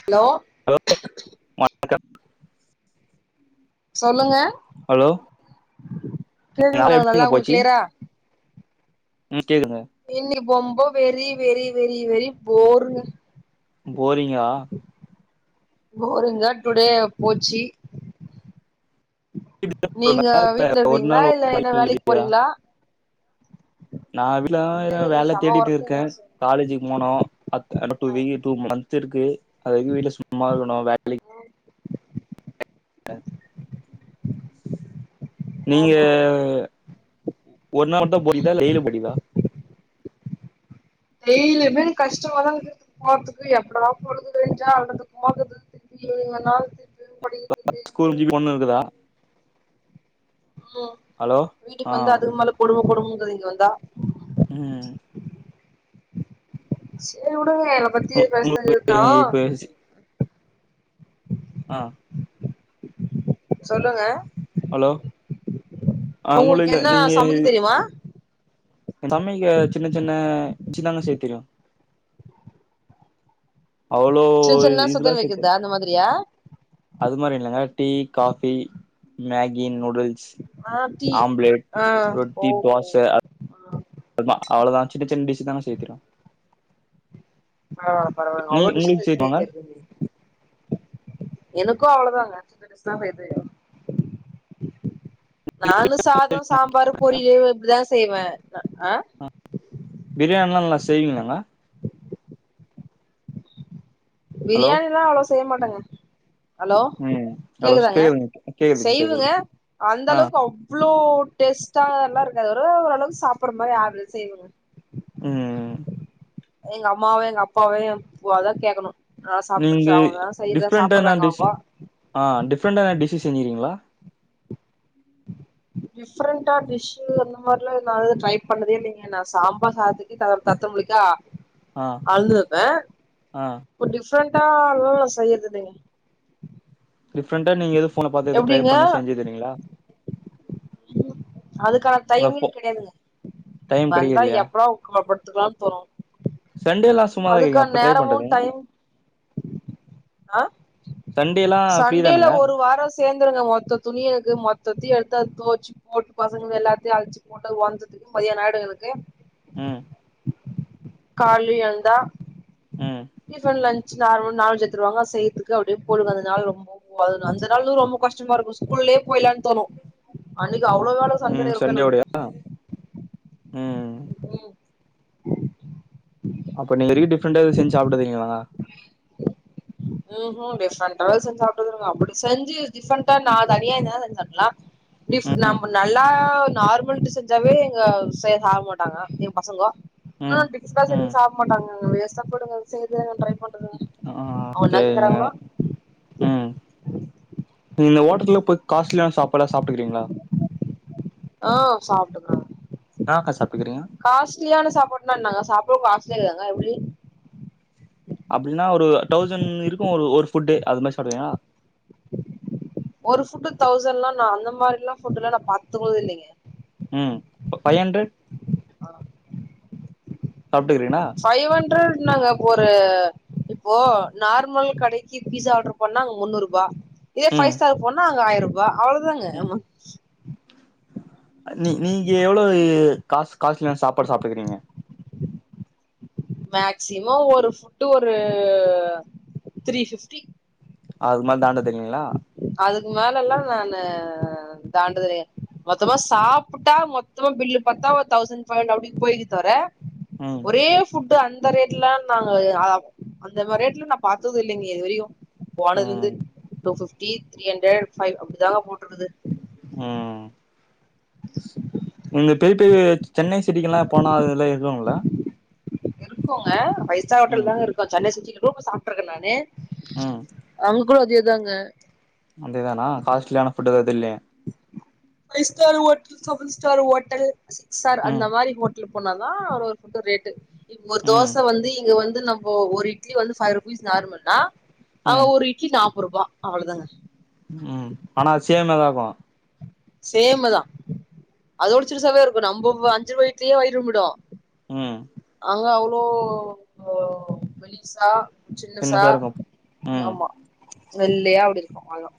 hello hello [inaudible] சொல்லுங்க hello நாள் கேக்குதுங்ளா எப்படிங்க நல்லா உங்ளுக் போச்சு கிளியரா ம் கேகுங்க இன்னை பொம்ப வெரி வெரி வெரி வெரி போருங்க போரிங்கா போரிங்கா டுடே போச்சி இல்ல நீங்க வீட்ல ஒரு இருக்குறிங்ளா நாள் இல்ல எதனா வேலைக் போறீங்ளா நா [inaudible] இல்லைங்க வேல இன்னைக்கு செம தேடிட்டு இருக்கே ஒர்க்குங்க காலேஜ்க் போனு [unintelligible] டூ மந்த் இருக்கு அது வரைக்கு வீட்ல சும்மா இருக்கணு வேலைக் [unintelligible] நீங்க ஓஹோ ஒரு நாள் மட்டுந்தா [unintelligible] டெய்லியுமே எனக் கஷ்டமாதாங் இருக்து போறதுக்கு எப்படிதா போறது விடிஞ்சா [unintelligible] போகுது [unintelligible] படி ஸ்கூல் [unintelligible] இருக்குதா ம் ஹலோ ஆ வீட்டுக்கு வந்தா அதுக்கு மேல கொடும கொடுமங்குது இங்க வந்தா ம் சேரி வுடுங்க என்ன பத்திய பேசுறது உங்களுக்கு இருகட்டு இப்ப ஆ சொல்லுங்க ஹலோ ஆ உங்களுக்கு என்னா நீங்க சமைக்க தெரியுமா சமைக்க சின்ன சின்ன விச்சிதாங்க செய்ய தெரியு அவ்ளோ சின்ன சின்னதா இதுலா சுதர் சேத்து வைக்கிறதா அந்த மாதிரியா அது மார் இல்லைங்க டீ காஃபி மேகி நூடுல்ஸ் ஆ டீ ஆம்ப்லைட் ஆ ரொட்டி ஓஹோ தோச ஆ [unintelligible] அவ்ளோதா சின்ன சின்ன டிஷ் தாங்க செய்ய தெறியு ஆ பரவால்லங்க நீ அவ்ளோ உங்களுக்கு டிஷ்ஷஸ் செய்ய தெரியுமாங்க தெருதுங்ளே எனக்கு அவ்வளோதாங்க சின்ன டிஷ்தா செய்ய தெரியு நானு சாதோ சாம்பார் பொரியல் இப்டிதா செய்வே அ ஆ பிரியாணிலா நல்லா செய்வீங்ளாங்க ஹலோ பிரியாணில்லா அவ்ளோ செய்ய மாட்டேங்க ஹலோ ம் ஹலோ கேக்குதாங்க கேக்குதுங்க கேக்குதுங்க கேக்குது செய்வங்க அந்த ஆ அளவுக்கு அவ் வ்ளோ டேஸ்டா எல்லா இருக்காது ஒரோ ஓரளவு சாப்பிடற மாரி ஆவ்ரேஜா செய்வங்க ம் எங்க அம்மாவயு எங்க அப்பாவையு ஒத கேக்கணு நா சாப்டுச்ச நீங்க அவுங்கதா செய்றத டிஃப்ரெண்டான சாப்பிடுறாங்க டிஷ் அவுங்கோ ஆ டிஃப்ரென்டான டிஷ்ஷஸ் செஞ்சிருக்கீங்ளா டிஃப்ரெண்டா டிஷ் அந்த மாரிலா நா எதுவு ட்ரை பண்ணதே இல்லைங்கே நா சாம்பார் சாதத் தத்தமலிக்கா ஆ அழுந்துருப்பே ஆ இப்ப டிஃப்ரெண்டால்லா நா செய்றது இல்லீங்க டிஃப்ரெண்டா நீங்க எது ஃபோன பாத்து எது ட்ரை எப்டிங்க பண்ணி செஞ்சது இல்லைங்ளா அதுக்கான உங்க டைமே ஃபோ கெடையாதுங்க டைம் வந்தா கெடைக்கலையா எப்படா நம்ம படுத்துக்கலானு தோணு சண்டே எல்லா சும்மாதா இருக்கீங்க அதுக்கான அப்ப ட்ரை நேரமு பண்றதுங் டைம் ஆ சண்டேலா ஃப்ரீ சண்டேல தானுங்க ஒரு வார சேந்துருங்க மொத்த துணியிருக்கு மொத்தத்தையு எடுத்து அது தொவச்சு போட்டு பசங்க எல்லாத்தையு அழிச்சு போட்டு ஓன்துதுக்கு மதியானம் ஆயிடு எனக்கு ம் காலையே எழுந்தா ம் டிஃபன் லஞ்ச் நார்ம நாலு செத்துருவாங்க செய்துக்கு அப்டியே போய்டுங்க அதுனால ரொம்போ ஓ அது அந்த நாளு ரொம்ப கஷ்டமா இருக்கு ஸ்கூல்லயே போய்லானு தோணு அன்னைக்கு அவ்ளோ வேல ம் சண்டேல இருக்கு சண்டே எனக்கு ஓடையா ம் அப்ப நீங்க இது வரைக்கு டிஃப்ரெண்டா செஞ்சி சாப்டது இல்லைங்களா ம்ஹீ டிஃப்ரெண்டாளா செஞ்சி சாப்டதுல்லங்க அப்டி செஞ்சி டிஃப்ரெண்டா நா தனியா இருந்தா செஞ்சி சாப்டலா டிஃ ம் நம்ப நல்லா நார்மல் டிஷ் செஞ்சாவே எங்க சைட் சாப்ட மாட் டாங்கோ எ பசங்கோ நா ம் டிஃப்ரண்டா செஞ்சி ம் சாப்ட மாட்டாங்க வேஸ்டா போயிடுங்க செய்து ட்ரை பண் ஆ சேரிங்க ம் இந்த ஹோட்டல்ல போய் காஸ்ட்லியான சாப்பாடல்லா சாப்ட்டுருக்கிங்களா ஆ சாப்டுங்க என்னாக்கா சாப்டுகிறீங்க காஸ்ட்லியான சாப்பாடுனா என்னங்க சாப்பாடு காஸ்லியாருக்காங்க எப்டி அப்டின்னா ஒரு தௌசண்ட் இருக்கு ஒரு ஒரு ஃபுட்டு அது மாரி சாப்டுவீங்களா ஒரு ஃபுட்டு தௌசண்லா நா அந்த மாரிலா ஃபுட்டுலா நா பாத்தது கூட இல்லைங்க ம் இப்ப ஃபைவ் ஹண்ரட் ஆ சாப்ட்டுக்கறீங்ளா ஃபைவ் ஹண்ட்ரட் நாங்க அப்ப ஒரு இப்போ நார்மல் கடைக்கு பீஸா ஆர்டர் பண்ணா அங்க முன்னூறுபா இதே ம் ஃபைஸ்டாரு போனா அங்க ஆயிரூபா அவ்ளதாங்க ம் நீ நீங்க எவ்ளவு காஸ் காஸ்லியான சாப்பாடு சாப்ட்டுக்கறீங்க மேக்சிமம் ஒரு ஃபுட்டு ஒரு த்ரீ பிஃப்டி அதுக்மேல தாண்டது இல்லிங்ளா அதுக்கு மேல எல்லா நானு தாண்டுதிரே மொத்தமா சாப்புட்டா மொத்தமா பில்லு பாத்தா ஒரு தௌசண்ட் ஃபைவ் ஹண்ட அப்டி போயிகு தவற ம் ஒரே ஃபுட்டு அந்த ரேட்ல நாங்க அந்தமாரி ரேட்ல நான் பாத்தது இல்லைங்க இதுவரையு ம் போனதுலருந்து two fifty three hundred five அப்டிதாங்க போட்றுக்குது ம் இந்த பெ பெ சென்னை சிட்டிக்கெல்லா போனா அதல்லா இருக்குங்களா இருக்குங்க ஃபை ஸ்டார் ஹோட்டல் ம் தாங்க இருக்கு சென்னை சிட்டிகுல போய் சாப்ட்ருக்கே நானு ம் அவங்க கூட அதே தாங்க அங்கே தானா காஸ்ட்லியான ஃபுட் எது இது இல்லே five star hotel seven star hotel sir ம் அந்த மாரி ஹோட்டல் போனாதா ஒரு ஃபுட் ரேட்டு ஒரு ம் தோசை வந்து இங்க வந்து நம்ம ஒரு இட்லி வந்து ஃபைவ் ருபீஸ் நார்மல்னா ஆ ம் ஒரு இட்லி நாப்பருபா அவ்ளதாங்க ம் ஆனா அது சேம் நல்லார்க்கு சேமு தா அதோட சிறுசாவவே இருக்கு நம்பொ வ அஞ்ருவா இட்லியே வயிர் நொம்பிடு ம் அங்க அவ்ளோ மெலிசா சின்னசா ம் ஆமா வெள்ளயா அப்டி இருக்கு அவ்ளதா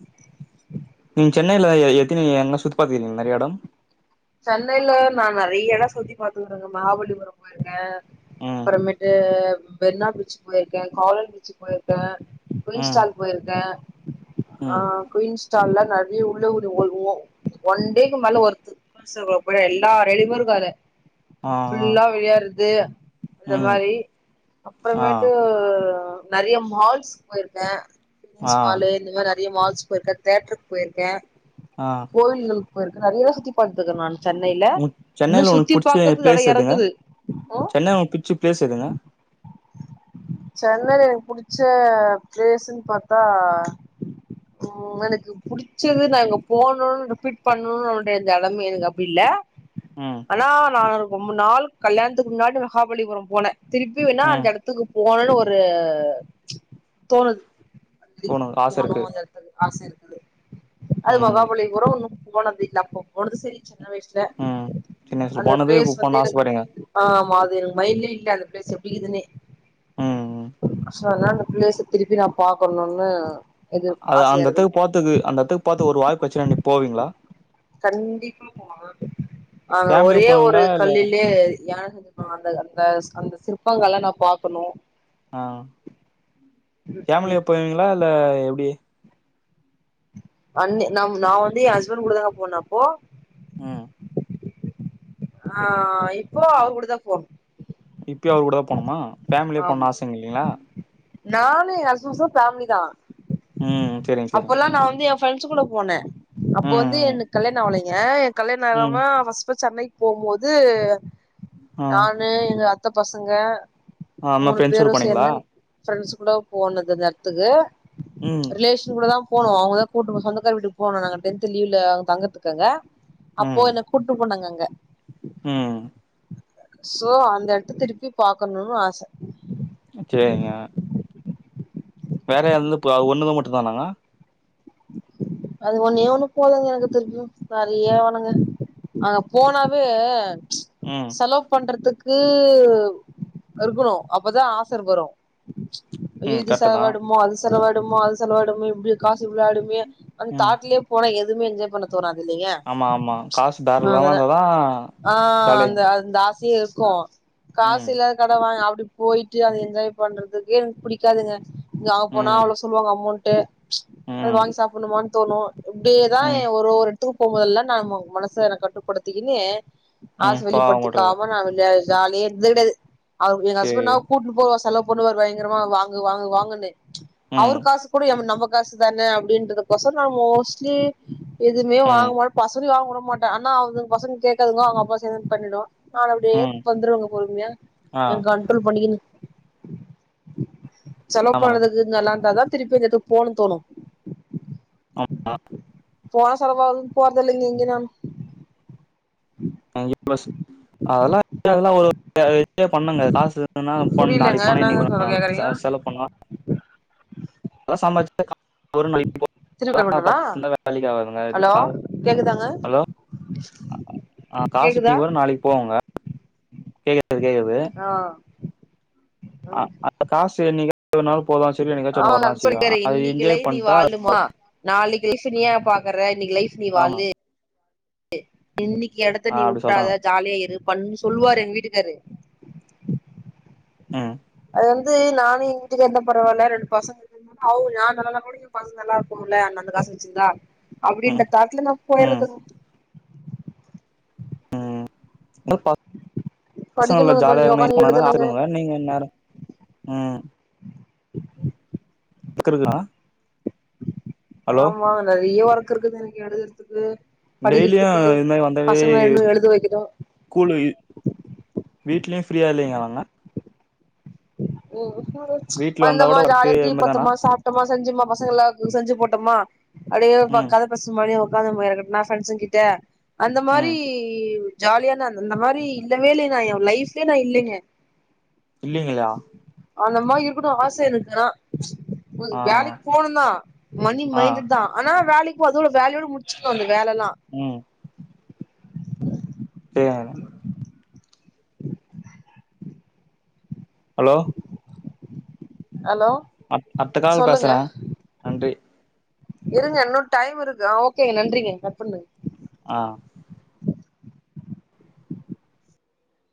நீங்க சென்னைல எ எத்தினி என்ன சுத் பாத்துர்க்கீங்க இந்த மாரி எடம் சென்னைல நா நெறைய எடோ சுத்தி பாத்துர்கறங்க மகாபலிபுரம் போய்ருக்கே ம் அப்பறமேட்டு பெர்னா பீச்சுக் போய்ருக்கே காலர் பீச்சுக் போய்ரு கே குய்ன் ம் ஸ்டால் போய்ருக்கே ஆ ம் குய்ன் ஸ்டால்ல ந அப்டியே உள்ள ஒரு ஒ ஒன்டேக்கு மேல ஒர்க்கு [unintelligible] போய் எல்லா டெலிவரு பாரு ஆ ஆ ஃபுல்லா விளையாட்றது அந்த ம் மாரி ஆ அப்பறமேட்டு நெறைய மால்ஸுக் போய்ருக்கே ஆ [unintelligible] மாலு இந்த மாரி நெறைய மால்ஸ் போய்ருக்கே தேட்ருக் போய்ருக்கே அ கோயில்களுக் போய்ருக்கே நெறையா சுத்தி பாத்ருக்கே நானு ம் சென்னைல ஒங்களுக் புடுச்ச பிளேஸ் நெறைய எதுங்க இருக்குது ம் சென்னைல ஒங்க புச்ச பிளேஸ் எதுங்க சென்னைல எனக்கு புடுச்ச பிளேஸுன் பாத்தா ம் எனக்கு புடுச்சது நாங்க போணுனு ரிப்பீட் பண்ணுனு ஒரு டே எடம்னு எனக்கு அப்டி இல்ல ம் ஆனா நாங்க ரொம்ப நாள் கல்யாணத்துக்கு முன்னாடி மஹாபலிபுரம் போனே திருப்பி வேணா அந்த ம் எடத்துக்கு போணுனு ஒரு தோணுது அட்லீஸ்ட் ஆச போணு இருக்கு அந்த எடத்துக்கு ஆச இருக்குது அது ம் மகாபலிபுரம் ஒன்னு போனது இல்ல அப்ப போனது சரி சின்ன வயசுல ம் சின்ன வயசுல அந்த போனது பிளேஸ் இப்ப வந்து போணுன்னு எனக்கு ஆசப்படுறீங்க ஆமா அது எனக்கு மைண்ட்லயே இல்ல அந்த பிளேஸ் எப்டி இக்குதுன்னே ம் ம் சில நேரோ அந்த ப்ளேஸ திருப்பி நா பாக்கணுனு அது அந்த எத்துக்கு பாத்தது அந்த எத்துக்கு பாத்து ஒரு வாய்ப்பு கெச்சுன்னா நீங் போவீங்ளா கண்டிப்பா போவே அங்க ஃபேமிலியா ஒரே போவீங்களா ஒரு இல்ல கல்லிலயே யான அ அந்த அந்த அந்த சிற்பங்கலா நா பாக்கணு ஆ ம் ஃபேமிலியா போவீங்ளா இல்ல எப்டி அன்னி ந நா வந்து என் ஹஸ்பண்ட் கூடதா நா போனப்போ ம் ஆ இப்போ அவர் கூடதா போணு இப்பயு அவர் கூடதா போணுமா ஃபேமிலியா போனோனு ஆமா ஆச இல்லைங்ளா நானு என் ஹஸூஸு ஃபேம்லி தா ம் செரிங்க செரிங்க அப்பல்லா நா வந்து எ ஃப்ரண்ஸ்சு கூட போனே அப்ப ம் வந்து எனக்கு கல்யாண ஆவலைங்க எ கல்யாண ம் ம் ஆகாம ஃபஸ் புச் சென்னை போம்போது ஆ நானு எங்க அத்த பசங்க ஆ அம்மா மூணு ஃப்ரெண்ட்ஸோட பேரு போனீங்களா சேந்து ஃப்ரண்ஸு கூட போனது அந்த எடத்துக்கு ம் ரிலேஷன் கூட தா போனோ அவுங்க தா கூட்டுபோ சொந்தக்கார வீட்டுக்கு போனோ நாங்க டென்த் லீவ்ல அங்க தங்குறதுக்கு அங்க அப்போ ம் என்ன கூட்டு போனாங்க அங்க ம் சோ அந்த எடத்த திருப்பி பாக்கனுனு ஆச சேரிங்க வேற எந்த பா அது ஒண்ணுத மட்டுதானா அது ஒண்ணே ஒண்ணு போதங்க எனக்கு திருப்பியு வேறயே வேணாங்க அங்க போனாவே ம் செலவு பண்றதுக்கு இருக்கணு அப்பதா ஆசர் வரு அய்யோ ம் இது கரெக்ட்டு தா செலவாய்டுமோ அது செலவாய்டுமோ அது செலவாய்டுமோ இப்டியே காசு இவ்ளோ ஆயிடுமே அந்த ம் தாட்லயே போனா எதுமே என்ஜாய் பண்ண தோணாதில்லைங்க ஆமா ஆமா காசு தாராளமா அதுர இருந்தாதா ஆ ஜாலி அந்த அ அந்த ஆசையு இருக்கு காசு ம் இல்லாது கடன் வாங் அப்டி போய்ட்டு அது என்ஜாய் பண்றதுக்கே எனக்கு புடிக்காதுங்க இங்க அங்க போனா ம் அவ்ளோ சொல்லுவாங்க அமௌண்ட்டு அத ம் வாங்கி சாப்டனுமானு தோனு இப்டியேதா ம் என் ஒரு ஒரு எடத்துக்கு போம்போதெல்லா நாம மனச கட்டுப்படுத்திக்கின்னு ஆச ம் பாவம் விட்றது வெளிப்படுத்திக்காம நா வந்து ஜாலியா இருந்தது கெடையாது அவரு என் ஹஸ்பண்ட்னா சேரி கூட்னு போவா செலவு பொண்ணுக வருவாய்ங்க பயங்கரமா வாங்கு வாங்கு வாங்குன்னு ம் அவரு காசு கூட எம் நம்ம காசு தானே அப்டின்றது கொசொற நா மோஸ்ட்லி எதுமே ம் வாங்க மாட் பசங்ளயு வாங் வுட மாட் ட ஆனா அவுங்க பசங்க கேட்டதுக்குள்ள அவுங்க அப்பா சேரின்னு பண்ணிடுவான் நானு அப்டியே ம் வந்துருவங்க பொறுமையா ஆ என் கண் ரோல் பண்ணிக்குனு செலவு ஆமாங்க பனதுக்கு து நல்லா இந்தாதா திருப்பியு அந்த எடத்துக்கு போனுனு தோணு ஆமா போனா செலவாகுனு போறதில்லைங்க எங்கனாலு நாங் இன்வஸ் அதெல்லா அதெல்லா ஒரு அநத வெச்சே பண்ணுங்க காசு புரியலங்க நாளைக்கு போனா இன்னைக்கு என்னங்க வரு சொல்ல கேக்குறீங்க போ செலவு பண்ணுலா நல்லா சம்பாரிச் திருப்பி கட் [unintelligible] பண்ணவா பாத்துட்டு இருந்தா வேலைக்கு ஆவாதுங்க ஹலோ கேக்குதாங்க அ காசு கேக்குதா இன்னைக்கு வரு நாளைக்கு போகுங்க கேக்குது கேக்குது ஆ ம் அந்த காசு நீங்க என்னிகாவது ஒருநாள் போகதா செய்யும என்னிக்காச்சு ஒன்னு வரதா செய்யு அத என்ஜாய் பண்டா லுமா நாளைக்கு லைஃப் நீ ஏன் பாக்குற இன்னிக்கி லைஃப் நீ ஆமா வாழு இன்னிக்கி எடத்த ஆ நீ அப்படி உட்டதா சொல்றாங்க ஜாலியா இரு பண்ணு சொல்லுவாரு எங்க வீட்டுக்காரு ம் அது வந்து நானு எங்க வீட்டுக்காரரு இருந்தா பரவால ரெண்டு பசங் அவ் நா நல்லால்லனா கூடி எங்க பசங்க நல்லா இருக்குமல்ல அந்த காச வெச்சிந்தா ம் அப்டின்ற தாட்ல நா ம் போயர்றதுங் ம் பா பசங்கல்ல படிக்கணுங்க ஜாலியா கொஞ்சோ இருக்குன்னு உக்காந்து எங்க எழுதணுங்க போனாலு நீங்க இந்நேர ம் க்குறதுனா ஆமா நெறயா ஒர்க் இருக்கு இன்னைக்கு எழுதறதுக்கு டெய்லியும் படிக்கறதுக்கு இது மாதிரி வந்தாவே பசங்க இன்னு எழுத வெக்கணு ஸ்கூலு வீட்லயு ஃப்ரீயா இல்லைங்ளா அவுங்க ஓ [inaudible] வீட்ல வந்தா வந்தமா கூட ஒர்க்கு ஜாலியா டி வி இதுதானா பாத்தமா சாப்ட்டமா செஞ்சமா பசங்க எல்லார்க்கு செஞ்சு போட்டமா அப்டியே ஒரு பக் ம் கத பேசற மாரி உட்காந்த [unintelligible] நா ஃப்ரண்ட்ஸ்ங்கிட்ட அந்த மாரி ம் ஜாலியாதாருந்த இந்த மாறி இல்லவே இல்ல நா என் லைஃப்லயே நா இல்லங்க இல்லிங்களா அந்த மாறி இருக்கட்டும் ஆச இருக்கு எனக்கு ஆனா ஆ வேலைக்கு போணுதா மணி ஆ மைண்டட் தா ஆனா வேலைக்கு போறதுல வேலையோட முடிச்சிட்னு அந்த வேலல்லா ம் தேவயான ஹலோ ஹலோ அத் அட்த்த கால் பேசற சொல்லுங்க நன்றி இருங்க இன்னு டைம் இருக்கு அ ஓகேங்க நன்றிங்க கட்பண்ணுங்க ஆ